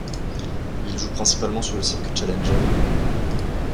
Il joue principalement sur le circuit Challenger.